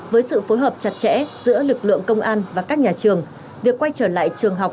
với sự phối hợp chặt chẽ giữa lực lượng công an và các nhà trường việc quay trở lại trường học